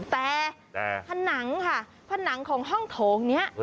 แต่ผนังค่ะผนังของห้องโถงนี้